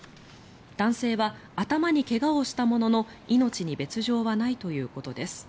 男性は頭に怪我をしたものの命に別条はないということです。